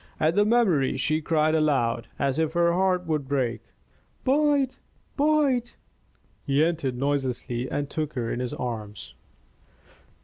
At the memory she cried aloud, as if her heart would break: "Boyd! Boyd!" He entered noiselessly and took her in his arms.